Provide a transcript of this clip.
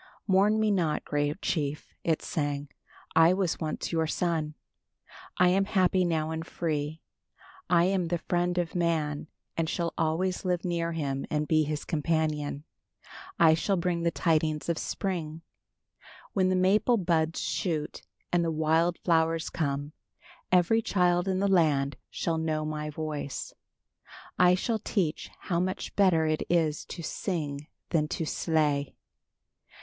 "Mourn me not, great chief," it sang. "I was once your son. "I am happy now and free. "I am the friend of man and shall always live near him and be his companion. "I shall bring the tidings of spring. "When the maple buds shoot and the wild flowers come, every child in the land shall know my voice. "I shall teach how much better it is to sing than to slay.